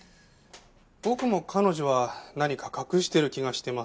僕も彼女は何か隠してる気がしてます。